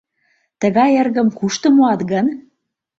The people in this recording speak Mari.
Тыгай эргым кушто муат гын!